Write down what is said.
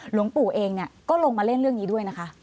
หลวงปู่เองก็ลงมาเล่นเรื่องนี้ด้วยนะคะ